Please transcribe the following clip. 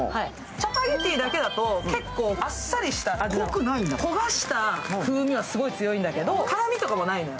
チャパゲティだけだと結構さっぱりした上げなんだけど、焦がした風味はすごい強いんだけど、辛味とかはないのよ。